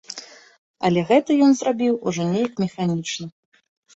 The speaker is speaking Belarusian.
Але гэта ён зрабіў ужо нейк механічна.